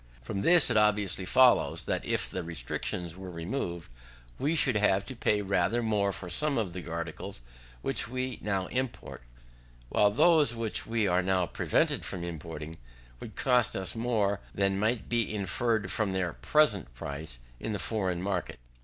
From this it obviously follows, that if the restrictions were removed, we should have to pay rather more for some of the articles which we now import, while those which we are now prevented from importing would cost us more than might be inferred from their present price in the foreign market.